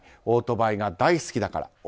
オートバイが大好きだから。